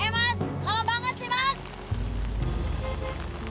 oke mas lama banget sih mas